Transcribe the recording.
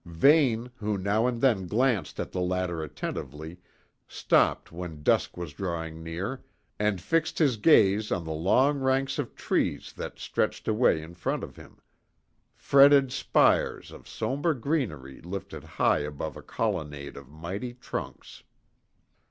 Vane, who now and then glanced at the latter attentively, stopped when dusk was drawing near, and fixed his gaze on the long ranks of trees that stretched away in front of him; fretted spires of sombre greenery lifted high above a colonnade of mighty trunks.